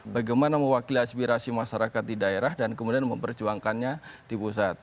bagaimana mewakili aspirasi masyarakat di daerah dan kemudian memperjuangkannya di pusat